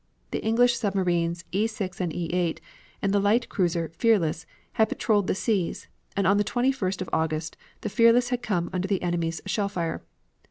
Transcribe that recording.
The English submarines, E 6 and E 8, and the light cruiser Fearless, had patrolled the seas, and on the 21st of August the Fearless had come under the enemy's shell fire.